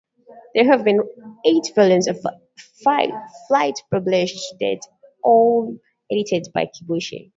There have been eight volumes of Flight published to date, all edited by Kibuishi.